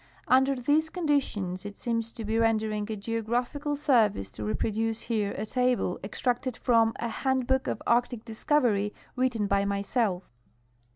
Under these conditions it seems to he rendering a geograph ical service to reproduce here a table extracted from a " Hand book of Arctic Discovery," written by myself.